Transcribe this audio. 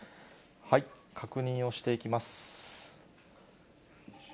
確認をしていきます。